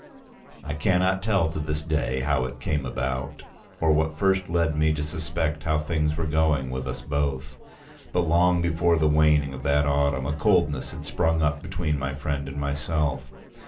I cannot tell to this day how it came about, or what first led me to suspect how things were going with us both; but long before the waning of that autumn a coldness had sprung up between my friend and myself.